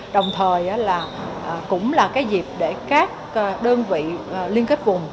đồng thời là cũng là cái dịp để các đơn vị liên kết vùng